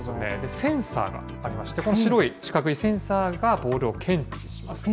センサーがありまして、この白い四角いセンサーがボールを検知します。